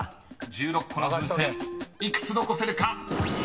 ［１６個の風船幾つ残せるか］